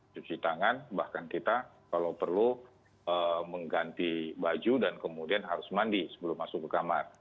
cuci tangan bahkan kita kalau perlu mengganti baju dan kemudian harus mandi sebelum masuk ke kamar